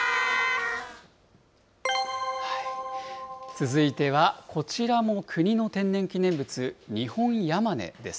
続いては、こちらも国の天然記念物、ニホンヤマネです。